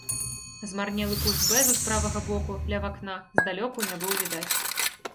Змарнелы куст бэзу з правага боку, ля вакна, здалёку не быў відаць.